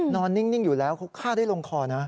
นิ่งอยู่แล้วเขาฆ่าได้ลงคอนะ